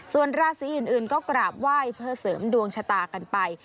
ส่วนราศีอื่นก็กราบไหว้เพื่อเสริมดวงชะตากันไป